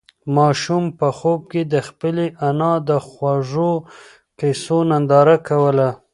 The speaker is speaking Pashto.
ماشوم په خوب کې د خپلې انا د خوږو قېصو ننداره کوله.